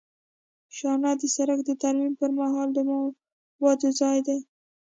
شانه د سرک د ترمیم پر مهال د موادو ځای دی